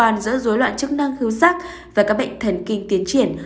nhưng quan giữa dối loạn chức năng hưu sắc và các bệnh thần kinh tiến triển